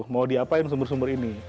mau diapain sumber sumber ini